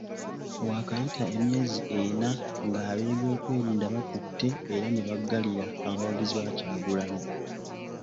Waakayita emyezi ena ng'ab'ebyokwerinda bakutte era ne baggalira abawagizi ba Kyagulanyi.